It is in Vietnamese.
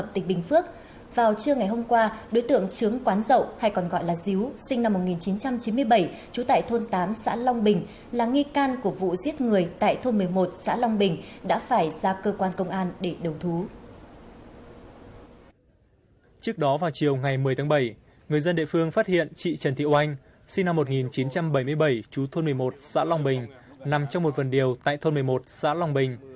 trước đó vào chiều ngày một mươi tháng bảy người dân địa phương phát hiện chị trần thị oanh sinh năm một nghìn chín trăm bảy mươi bảy chú thôn một mươi một xã long bình nằm trong một vườn điều tại thôn một mươi một xã long bình